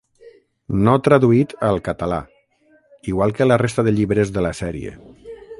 No traduït al català, igual que la resta de llibres de la sèrie.